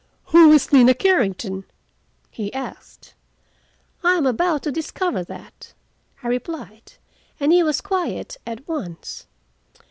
"Who is Nina Carrington?" he asked. "I am about to discover that," I replied, and he was quiet at once.